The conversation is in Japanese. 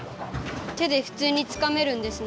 てでふつうにつかめるんですね。